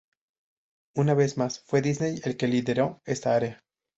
Una vez más fue Disney el que lideró esta área.